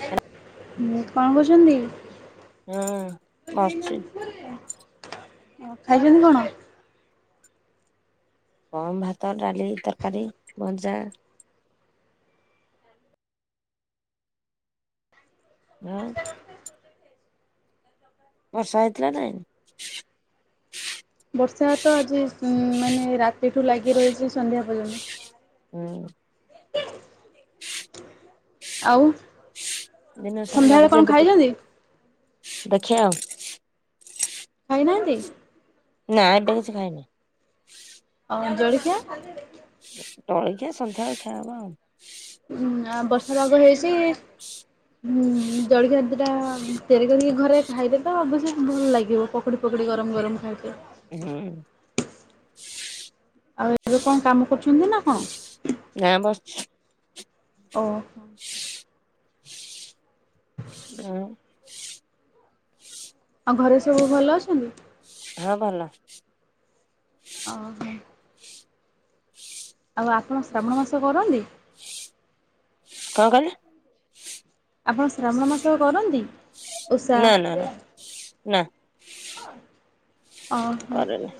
କଣ କରୁଚନ୍ତି? ହୁଁ ଅଛି ଖାଇଛନ୍ତି କଣ? କମ ଭାତ ଡାଲି ତରକାରୀ ଭଜା ହଁ ବର୍ଷା ହେଇଥିଲା ନାଇଁ ବର୍ଷା ତ ଆଜି ମାନେ ରାତିଠୁ ଲାଗି ରହିଛି ସନ୍ଧ୍ୟା ପର୍ଯ୍ୟନ୍ତ ହୁଁ ଆଉ ଦିନ ସାରା ସନ୍ଧ୍ୟାବେଳେ ଲାଗିଛି କଣ ଏବେ ଟିକେ ଖାଇଛନ୍ତି? ଦେଖିବା ଆଉ ଖାଇନାହାନ୍ତି? ନା ଏବେ କିଛି ଖାଇନି। ହ ଜଳଖିଆ? ଜଳଖିଆ ସନ୍ଧ୍ୟାବେଳେ ଖିଆହବ ଆଉ। ଉଁ ଆ ବର୍ଷା ପାଗ ହେଇଛି। ହୁଁ ଜଳିଖିଆ ଦିଟା ତିଆରି କରିକି ଘରେ ଖାଇଲେ ତ ଅବଶ୍ୟ ଭଲ ଲାଗିବ ପକୋ ପକୁଡ଼ି ଗରମ ଗରମ ଖାଇ ହୁଁ ଆଉ ଏବେ କଣ କାମ କରୁଛନ୍ତି ନା କଣ? ନାଁ ବସଚି। ଓ- ହ। ହୁଁ। ଆଉ ଘରେ ସବୁ ଭଲ ଅଛନ୍ତି? ହଁ ଭଲଅ ଓ- ହ। ଆଉ ଆପଣ ଶ୍ରାବଣ ମାସ କରନ୍ତି? କଣ କହିଲ ଆପଣ ଶ୍ରାବଣ ମାସ କରନ୍ତି ଉଷା? ନା ନା ନା ନା ଓ- ହୋ। କରେନି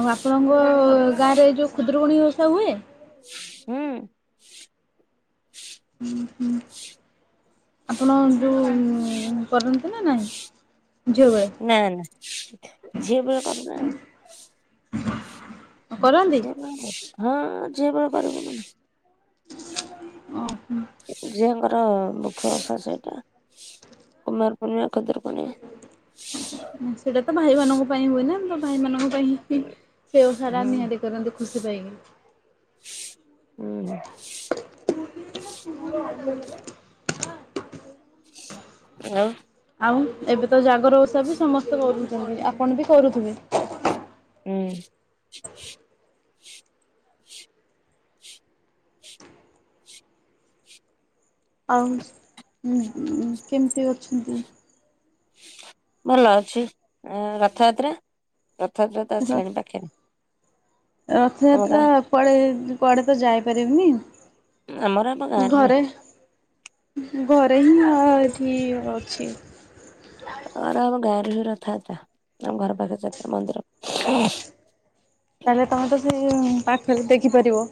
ଆଉ ଆପଣଙ୍କ ଗାଁରେ ଏଯୋ ଖୁଦ୍ରୁକୁଣୀ ଓଷା ହୁଏ? ହୁଁ। ହୁଁ ହୁଁ। ଆପଣ ଯେଉଁ କରନ୍ତି ନା ନାହିଁ? ଝିଅ ବେଳେ ନା ନା ଝିଏ ଭଳିଆ କରନ ଆଉ। କରନ୍ତି? ହଁ ଝବୋରିବ [unintelligible] ଓ ହୋ। ଝିଅଙ୍କର ମୁଖ୍ୟ ଓଷା ସେଇଟା କୁମାର ପୂର୍ଣ୍ଣିମା ଖୁଦୁରୁକୁଣୀ। ସେଇଟା ତ ଭାଇମାନଙ୍କ ପାଇଁ ହୁଏ ନା ଆମର ଭାଇମାନଙ୍କ ପାଇଁ ହିଁ ସେ ସାରା ହୁଁ ନିହାତି କରନ୍ତୁ ଖୁସି ପାଇକି। ହୁଁ। [inaudible] ଆ - ଉ - ଆଉ ଏବେ ତ ଜାଗର ଓଷା ବି ସମସ୍ତେ କରୁଛନ୍ତି ଆପଣ ବି କରୁଥିବେ? ହୁଁ। ଆଉ ଉଁ - ଉଁ କେମିତି ଅଛନ୍ତି? ଭଲ ଅଛି ଅ ରଥଯାତ୍ରା ରଥଯାତ୍ରା ତ ର ଆସିଲାଣି ପାଖରେ ତମ ରଥଯାତ୍ରା ଗାଁ କୁଆଡେ କୁଆଡ଼େ ତ ଆମର ଆମ ଯାଇପାରିବିନି। ଗାଁରେ ହୁଏ ଘରେ ଘରେ ହିଁ ମୁଁଏଠି ଅଛି। ଆ ଆମ ଗାଁରେ ବି ରଥାଯାତ୍ରା ଆମ ଘର ପାଖରେ ଯାତ୍ରା ମନ୍ଦିର। ତାହେଲେ ତମେ ତ ସେ ପାଖରେ ଦେଖିପାରିବ।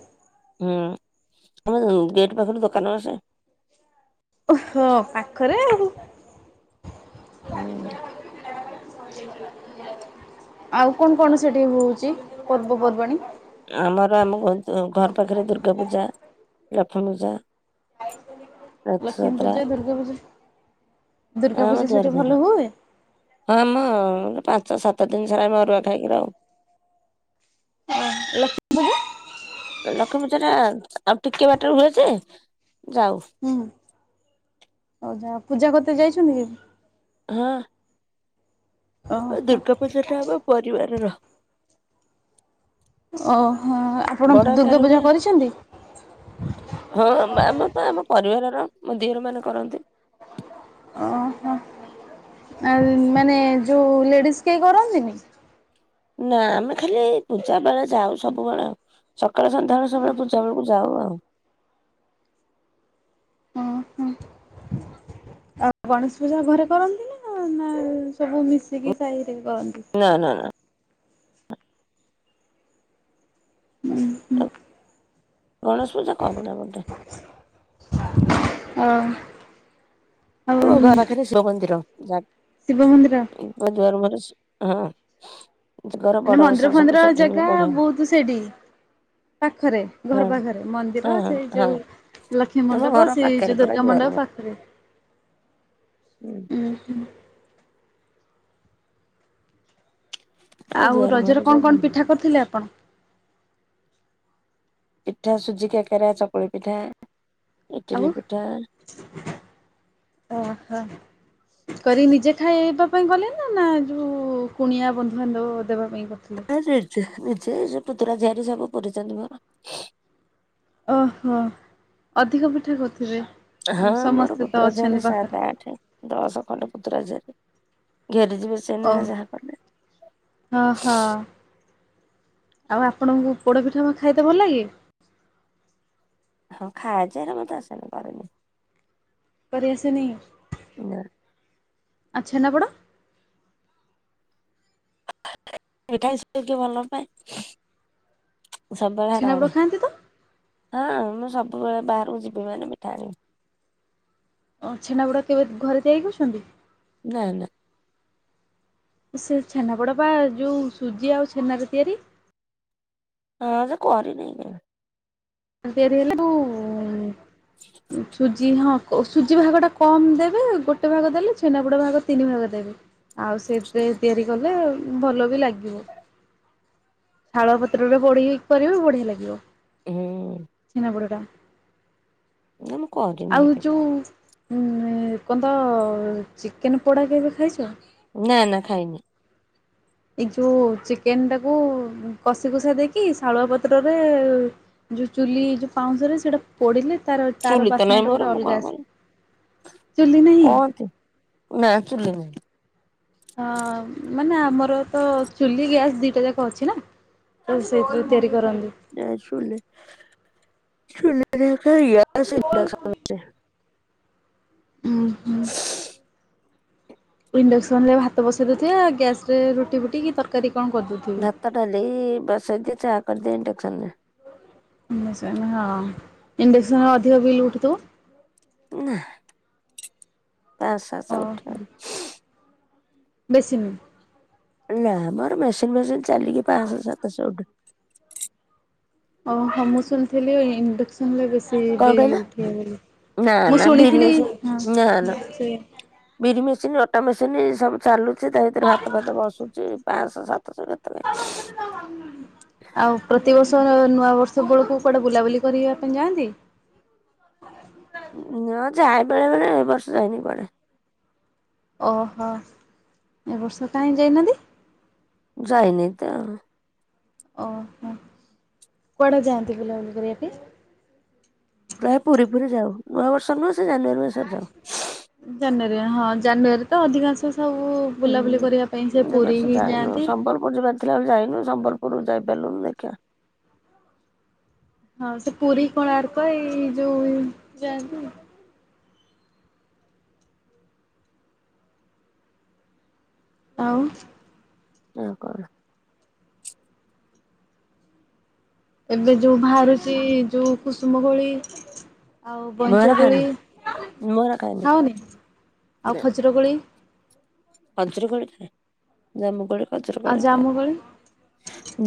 ହୁଁ ଆମର ଗେଟ୍ ପାଖରୁ ଦୋକାନ ଆସେ। ଓହ ପାଖରେ ଆଉ। ହୁଁ। ଆଉ କଣ କଣ ସେଠି ହଉଛି ପର୍ବପର୍ବାଣୀ? ଆମର ଆମ ଘର ପାଖରେ ଦୁର୍ଗା ପୂଜା, ଲକ୍ଷ୍ମୀ ପୂଜା। ଲକ୍ଷ୍ମ ରଥଯାତ୍ରା ପୂଜା ଦୁର୍ଗା ପୂଜା। ହଁ ଦୁର୍ଗା ଆମ ପୂଜା ସେଠି ଦୁାର ଭଲ ମୁହଁରେ ହୁଏ? ହଁ ଆମ ପାଞ୍ଚ ସାତ ଦିନ ସାରା ଆମେ ଅରୁଆ ଖାଇକି ରହୁ। [inaudible] ଲକ୍ଷ୍ମୀ ପୂଜା ଟା ଆଉ ଟିକେ ବାଟରେ ହୁଏ ଯେ ଯାଉ। ହୁଁ ହଉ ଯା ପୂଜା କର୍ତେ ଯାଇଛନ୍ତି କି? ହଁ। ହଁ ଓହୋ ଦୁର୍ଗା ପୂଜା ଟା ଆମ ପରିବାରର। ଓହୋ ଆପଣ ବଡ ଆକାର ଦୁର୍ଗା ହୁଏ ପୂଜା କରିଛନ୍ତି? ହଁ ମା ଆମ ତ ଆମ ପରିବାରର ମୋ ଦିଅର ମାନେ କରନ୍ତି। ଓହୋ। ଆ ମାନେ ଯେଉଁ ଲେଡ଼ିଜ କେହି କରନ୍ତିନି। ନା ଆମେ ଖାଲି ପୂଜା ବେଳେ ଯାଉ ସବୁବେଳେ। ସକାଳେ ସଧ୍ୟାବେଳେ ସବୁବେଳେ ପୂଜା ବେଳକୁ ଯାଉ ଆଉ। ଓହୋ ଆଉ ଗଣେଶ ପୂଜା ଘରେ କରନ୍ତି ନା ନା ସବୁ ମିଶିକି ସାହିରେ କରନ୍ତି। ନା ନା ନା। ଉଁ ହୁଁ। ଗଣେଶ ପୂଜା କରୁନା ମୋଟେ। ହଁ। ମୋ ଘରପାଖରେ ଶିବ ମନ୍ଦିର ଯାଗ ଶିବମନ୍ଦିର। ମୋ ଦୁଆର ମୁହଁରେ ସି ହଁ। ଘର ମାନେ ବଡ ଓଷା ମନ୍ଦିର ସବୁ ଫନ୍ଦିର ସେଠି ହୁଏ ଜାଗା ବଢିଆ ବହୁତ ସେଇଠି। ପାଖରେ ଘର ହଁ ପାଖରେ ମନ୍ଦିର ହଁ ହଁ ସେଇ ହଁ। ଯୋଉ ଲକ୍ଷ୍ମୀ ଆମ ମଣ୍ଡପ ଘର ସେଇ ପାଖରେ ଯୋଉ ପୁରା ଦୁର୍ଗା ଦୁଆର ମଣ୍ଡପ ମୁହଁ ପାଖ ରେ ହୁଁ ଉୁଁ ହୁଁ। ହଁ ଆଉ ରଜରେ କଣ କଣ ପିଠା କରିଥିଲେ ଆପଣ? ପିଠା ସୁଜି କେକେରା ଚକୁଳି ପିଠା ଆଉ ଇଟିଲି ପିଠା। ଓହୋ। କରିକି ନିଜେ ଖାଇବା ପାଇଁ କଲେ ନା ନା ଯେଉଁ କୁଣିଆ ବନ୍ଧୁବାନ୍ଧବ ଦେବା ପାଇଁ କରିଥିଲେ। ନିଜେ ନିଜେ ପୁତୁରା ଝିଆରି ସବୁ ପୁରିଛନ୍ତି ମୋର। ଓହୋ ଅଧିକ ପିଠା କହୁଥିବେ। ହଁ ମୋର ପୁତୁରା ଝିଅଟି ସାତ ଆଠ। ଦଶ ଖଣ୍ଡେ ପୁତୁର ଝିଆରି ଘେରିଯିବେ ସେଇନା କେ ଯାହା କଲେ। ଅହଁ ଆଉ ଆପଣଙ୍କୁ ପୋଡପିଠା ଖାଇତେ ଭଲ ଲାଗେ? ହଁ ଖାଏଯେ ହେରା ମତେ ଆସିନି କରେଇ। ପର ଏସେ ନେଇ। ନା। ଆ ଛେନାପୋଡ଼। [unintelligible] ହଁ ମୁଁ ସବୁବେଳେ ଛେନାପୋଡ଼ ଖାଆନ୍ତି ତ? ବାହାରକୁ ଯିବି ମାନେ ମିଠା ଆଣିବି। ଛେନାପୋଡ କେବେ ଘରେ ତିଆରି କରିଛନ୍ତି? ନାଁ ନାଁ। ସେ ଛେନାପଡ଼ା ପା ଯୋଉ ସୁଜି ଆଉ ଛେନାରେ ତିଆରି। ହଁ ଯେ କରିନି ହେଗୁରା। [unintelligible] ସୁଜି ହଁ। ସୁଜି ଭାଗଟା କମ୍ ଦେବେ। ଗୋଟେ ଭାଗ ଦେଲେ ଛେନାପୋଡ଼ ଭାଗ ତିନି ଭାଗ ଦେବେ। ଆଉ ସେଥିରେ ତିଆରି କଲେ ଆଉ। ଭଲ ବି ଲାଗିବ। ଶାଳ ପତ୍ରରେ ପୋଡ଼ିକି କରିବୁ ବଢିଆ ଲାଗିବ। ହୁଁ। ଛେନାପୋଡ ଟା। ନା ମୁଁ କରିନି ଆଉ ଯୋଉ ହୁଁ କଣ ତ ଚିକେନ ପୋଡ଼ା କେବେ ଖାଇଛ? ନା ନା ଖାଇନି। ଏଇ ଯୋଉ ଚିକେନ ଟାକୁ କଷି କୁସା ଦେଇକି ଶାଳୁଆ ପତ୍ରରେ ଯୋଉ ଚୁଲି ଯୋଉ ପାଉଁଶରେ ସେଟା ପଡିଲେ ତାର ତାର ଚୁଲି ତ ନାହିଁ ବାସ୍ନାଟା ମୋର ଗୋଟେ ମୁଁ କଣ ଅଲଗା ଆସେ। କରିବି ଚୁଲି ନାହିଁ? ନାଁ ଚୁଲି ନାହିଁ। ହଁ ମାନେ ଆମର ତ ଚୁଲି ଗ୍ୟାସ୍ ଦିଟା ଯାକ ଅଛି ନା। ତ ସେଇଥିରେ ତିଆରି କରନ୍ତି। ନାଇଁ ଚୁଲି, ଚୁଲିରେ ହୁଏ ଗ୍ୟାସ, ଇଣ୍ଡକ୍ସନ। ରେ ଉଁହୁଁ। ଇଣ୍ଡକ୍ସନ ରେ ଭାତ ବସେଇ ଦେଉଥିବେ। ଆଉ ଗ୍ୟାସ ରେ ରୁଟି ଫୁଟି କି ତରକାରୀ କଣ କରିଦଉଥିବେ। ଭାତ ଡାଲି ବସେଇଦିଏ ଚା କରିଦିଏ ଇଣ୍ଡକ୍ସନ ରେ। ଇଣ୍ଡକ୍ସନ୍ ହଁ ଇଣ୍ଡକ୍ସନରେ ଅଧିକ ବିଲ୍ ଉଠୁଥିବ? ନାଁ ପାଞ୍ଚସହ ସାତଶହ ଓହୋ। ଉଠେ। ବେଶୀ ନୁହେଁ। ନାଁ ମ ଆମର ମେସିନ ଫେସିନ୍ ଚାଲିକି ପାଞ୍ଚଶହ ସାତଶହ ଉଠେ। ଓହ ମୁଁ ଶୁଣିଥିଲି ଇଣ୍ଡକ୍ସନ ରେ ବେଶୀ କଣ ବିଲ୍ କହିଲ ଉଠିବ ବୋଲି ନା ମୁଁ ନା ବିରି ଶୁଣିଥିଲି ମେସିନ୍ ନା ନା ବିରି ମେସିନ ଅଟା ମେସିନ ସବୁ ଚାଲୁଛି ତା ଭିତରେ ଭାତ ଭାତ ବସୁଛି ପାଞ୍ଚଶହ ସାତଶହ କେତେବେଳେ। [inaudible] ଆଉ ପ୍ରତିବର୍ଷ ନୂଆବର୍ଷ ବେଳକୁ କୁଆଡ଼େ ବୁଲାବୁଲି କରିବା ପାଇଁ ଯାଆନ୍ତି? ହଁ ଯାଏ ବେଳେ ବେଳେ ଏ ବର୍ଷ ଯାଇନି କୁଆଡେ। ଓହୋ ଏ ବର୍ଷ କାହିଁକି ଯାଇନାହାନ୍ତି? ଯାଇନି ତ। ଓ ହୋ କୁଆଡ଼େ ଯାଆନ୍ତି ବୁଲାବୁଲି କରିବା ପାଇଁ। ପ୍ରାୟ ପୁରୀ ଫୁରୀ ଯାଉ ନୂଆବର୍ଷ ନୁହଁ ସେ ଜାନୁଆାରୀ ମାସରେ ଯାଉ। ଜାନୁୟାରୀ ହଁ ଜାନୁୟାରୀ ତ ଅଧିକାଂଶ ସବୁ ବୁଲାବୁଲି କରିବା ପାଇଁ ସେ ପୁରୀ ହିଁ ଯାଆନ୍ତି। ମୁଁ ଯିବାର ଥିଲା ଆଉ ଯାଇନୁ ସମ୍ବଲପୁର ଯାଇ ପାରିଲୁନି ଦେଖିବା। ହଁ ସେ ପୁରୀ କୋଣାର୍କ ଏଇ ଯୋଉ ଯାଆନ୍ତି। ଆଉ। ଆଉ କଣ? ଏବେ ଯୋଉ ବାହାରୁଛି ଯୋଉ କୁସୁମ କୋଳି ଆଉ ବଇଁଚ ମୟୂର କୋଳି ଖାଏନି ମୟୂର ଖାଏନି ଖାଅନି? ଆଉ ନା ଖଜିର କୋଳି ଖଜୁରୀ କୋଳି ଖାଏ, ଜାମୁ କୋଳି, ଖଜୁରୀ ଆଉ କୋଳି ଖାଏ। ଜାମୁ କୋଳି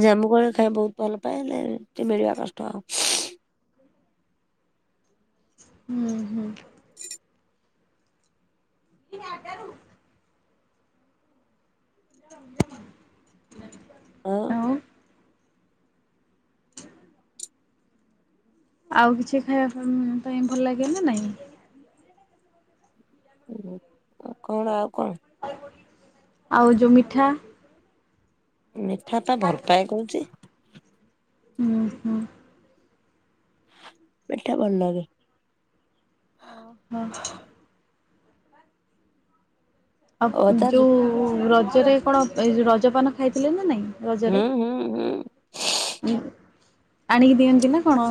ଜାମୁ କୋଳି ଖାଏ ବହୁତ ଭଲ ପାଏ, ହେଲେ ଟିକେ ମିଳିବା କଷ୍ଟ ଆଉ। ହୁଁ। ହୁଁ। [unintelligible] [inaudible] ହଁ। ହଁ। ଆଉ କିଛି ଖାଇବା ପ-ଅଁ, ପାଇଁ ଭଲ ଲାଗେ ନା ନାଇଁ? ହୁଁ, ଆଉ କଣ ଆଉ କଣ? ଆଉ ଯୋଉ ମିଠା ମିଠା ତ ଭଲ ପାଏ କହୁଛି। ଅଁ, ହଁ। ମିଠା ଭଲ ଲାଗେ। ଓ ହୋ। ଓ ହଉ ତାହେଲେ ଯୋଉ ରଜରେ କଣ ଏଇ ଯୋ ରଜପାନ ଖାଇଥିଲେ ନା ନାଇଁ? ହୁଁ ରଜରେ, ହୁଁ ହୁଁ ଆଣିକି ଦିଅନ୍ତି ନା କଣ?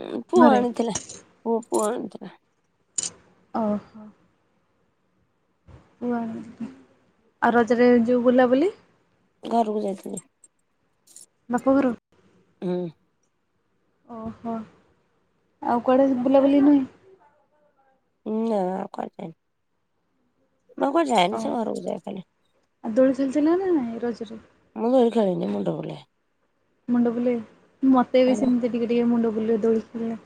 ଉଁ, ପୁଅ ଘରେ? ଆଣିଥିଲା, ପୁଅ ପୁଅ ଆଣିଥିଲା। ଓହୋ। ପୁଅ ଆଣିଥିଲା, ଆଉ ରଜରେ ଯୋଉ ବୁଲାବୁଲି ଘରକୁ ଯାଇଥିଲି। ବାପ ଘର? ହଁ। ଓହୋ, ଆଉ କୁଆଡେ ବୁଲାବୁଲି ନୁହେଁ? ନା କୁଆଡେ ଯାଇନି, ମୁଁ କୁଆଡେ ଓ ଯାଏନି, ସେ ଘରୁକୁ ଯାଏ ଖାଲି। ଆଉ ଦୋଳି ଝୁଲିଥିଲ ନା ନାଇଁ ରଜରେ? ମୁଁ ଦୋଳି ଖେଳେନି ମୁଣ୍ଡ ବୁଲାଏ। ମୁଣ୍ଡ ବୁଲେ, ମୋତେ ହଁ ବି ସେମିତି ଟିକେ ଟିକେ ମୁଣ୍ଡ ବୁଲେ ଦୋଳି ହେଲା,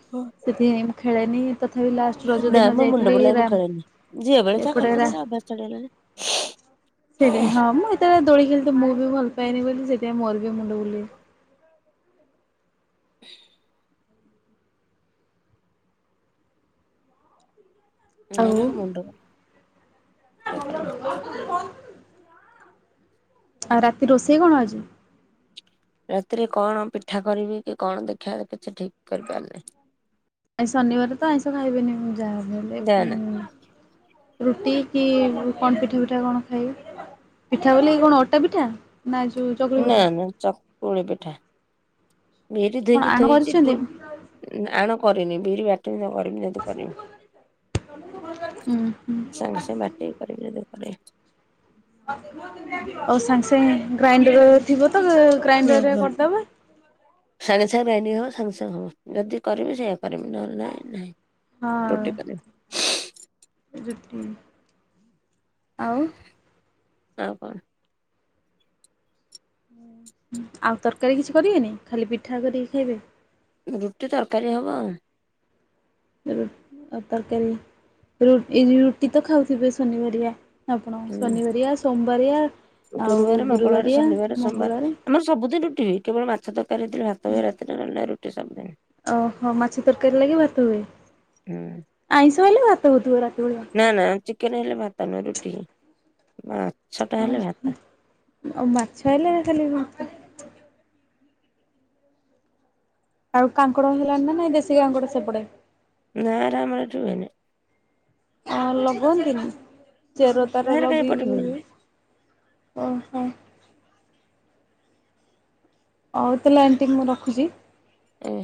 ସେଥିପାଇଁ ମୁଁ ଖେଳେନି ତଥାପି ଲାଷ୍ ନା ମୋ ମୁଣ୍ଡ ବଲାଏ ମୁଁ ଖଳେନି, ଝିଅବେଳେ ଯା ଏପଟେ ଖେଳୁଥିଲି ରା ମୋର ଅଭ୍ୟାସ ଛାଡିଗଲାଣି। ସେଇଦିନ ହଁ ମୁଁ ଏତେବେଳେ ଦୋଳି ଖେଳିତେ ମୁଁ ବି ଭଲ ପାଏନି ବୋଲି ସେଥିପାଇଁ ମୋର ବି ମୁଣ୍ଡ ବୁଲେ। ଆଉ ମୋର ମୁଣ୍ଡ ବୁଲେ, ଦୋଳି ଖେଳିନେ। [inaudible] ଆଉ ରାତି ରୋଷେଇ କଣ ଆଜି? ରାତିରେ କଣ ପିଠା କରିବି କି କଣ ଦେଖେ କିଛି ଠିକ୍ କରି ପାରିନି। ଆଜି ଶନିବାର ତ ଆଇଁଷ ଖାଇବେନି ମୁ ଯାହା ବି ହେଲେ ନା ନା ମୁଁ। ରୁଟି କି କଣ ପିଠା ପିଠା କଣ ଖାଇବ? ପିଠା ବୋଲି କଣ ଅଟା ପିଠା ନା ଯୋଉ ଚକୁଳି ନା ପିଠା? ନା ଚକୁଳି ପିଠା, ବିରି କଣ ଧୋଇକି ଆଣ ଥୋଇଚି [unintelligible] କରିଛନ୍ତି? ଉଁ, ନା ଆଣ କରିନି ବିରି ବାଟିମି ଯା କରିବି ଯଦି କରିବି। ଉଁ ହୁଁ। ସାଙ୍ଗ ସାଙ୍ଗେ ବାଟିକି କରିବି ଯଦି କରିବି। ଆଉ ସାଙ୍ଗେ ସାଙ୍ଗେ ଗ୍ରାଇଣ୍ଡର ଥିବ ତ ହ ଗ୍ରାଇଣ୍ଡରରେ ହ କରିଦେବା। ସାଙ୍ଗେ ସାଙ୍ଗେ ସାଙ୍ଗେ ଗ୍ରାଇଣ୍ଡିଙ୍ଗ ହବ ସାଙ୍ଗେ ସାଙ୍ଗେ ହବ ଯଦି କରିବି ସେଇଆ କରିବି ନା ହେଲେ ନାହିଁ ନାହିଁ ରୋଟି କରିବି। ଯିବି ଆଉ। ଆଉ କଣ। ହୁଁ। ହଁ ଆଉ ତରକାରୀ କିଛି କରିବେନି ଖାଲି ପିଠା କରିକି ଖାଇବେ? ରୁଟି ତରକାରୀ ହେବ ଆଉ। ଆଉ ତରକାରୀ ରୁ ରୁଟି ତ ଖାଉଥିବେ ଶନିବାରିଆ। ଆପଣ ହୁଁ ଶନିବାରିଆ ସୋମବାରିଆ ଆଉ ଗୁରୁବାର ମଙ୍ଗଳବାର ଗୁରୁବାରିଆ ଶନିବାର ସୋମବାର ମଙ୍ଗଳବାର ଆମର ସବୁଦିନ ରୁଟି ହୁଏ କେବଳ ମାଛ ତରକାରୀ ଥିଲେ ଭାତ ହୁଏ ରାତିରେ ରୁଟି ସବୁଦିନ। ଓହୋ ମାଛ ତରକାରୀ ଲାଗି ଭାତ ହୁଏ ହୁଁ ଆଇଁଷ ହେଲେ ଭାତ ହଉଥିବ ରାତି ଭଳିଆ? ନା ନା ଚି କେନ ହେଲେ ଭାତ ନୁହ ରୁଟି ମା ଅ ହୋ ଆଉ ମାଛ ହେଲେ ଖାଲି ଭାତ? ଆଉ କାଙ୍କଡ ହେଲାଣି ନା ନାଇଁ ଦେଶୀ କାଙ୍କଡ ସେପଟେ? ନାଁ ରା ଆମର ଏଠି ହୁଏନି। ଆ ଲଗାନ୍ତିନି ଚେର ନା ତାର ହେରା କାଇଁ ଏପଟେ ଲଗେଇକି ହୁଏନି। ଓହୋ ହଉ ତାହେଲେ ଆଣ୍ଟି ମୁଁ ରଖୁଛି। ଉଁ।